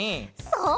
そう！